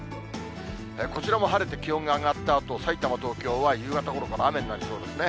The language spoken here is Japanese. こちらも晴れて気温が上がったあと、さいたま、東京は夕方ごろから雨になりそうですね。